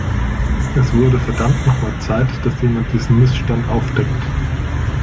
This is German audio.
Es wurde verdammt noch mal Zeit, dass jemand diesen Missstand aufdeckt.